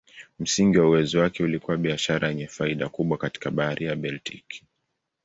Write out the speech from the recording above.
Msingi wa uwezo wake ulikuwa biashara yenye faida kubwa katika Bahari ya Baltiki.